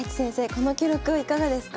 この記録はいかがですか？